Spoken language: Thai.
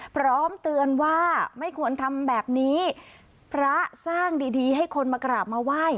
พร้อมเตือนว่าไม่ควรทำแบบนี้พระสร้างดีดีให้คนมากราบมาไหว้